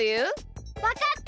わかった！